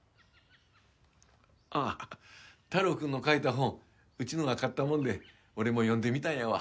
あっ太郎くんの書いた本うちのが買ったもんで俺も読んでみたんやわ。